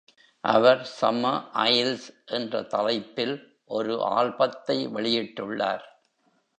அவர் "Summer Isles" என்ற தலைப்பில் ஒரு ஆல்பத்தை வெளியிட்டுள்ளார்